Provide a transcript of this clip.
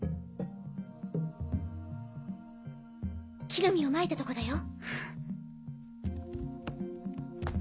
木の実をまいたとこだよ。